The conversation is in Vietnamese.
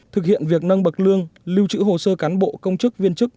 thực hiện việc nâng bậc lương lưu trữ hồ sơ cán bộ công chức viên chức